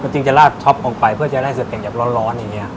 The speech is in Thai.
จริงจะราดช็อปออกไปเพื่อจะได้ศึกแห่งใจแบบร้อนอย่างเงี้ย